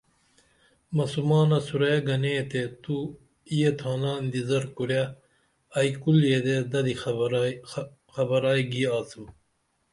مسومانہ سُرے گنے تے تو یے تھانا انتظر کُرے ائی کُل یدے ددی خبرائی گی آڅیم